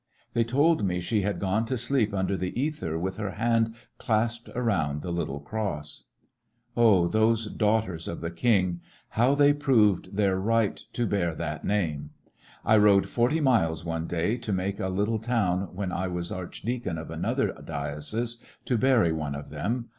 They told me she had gone to sleep under the ether with her hand clasped around the little cross. Daughters of Oh, those Daughters of the King ! How they proved their right to bear that name ! I rode forty miles, one day, to make a little town, when I was archdeacon of another diocese, to bury one of them.